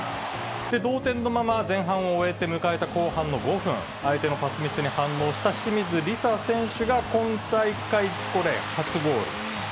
同点のまま、前半を終えて迎えた後半の５分、相手のパスミスに反応した清水梨紗選手が、今大会これ、初ゴール。